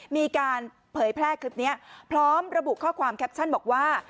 มีการเผยแพร่คลิปนี้พร้อมระบุข้อความแคปชั่นบอกว่า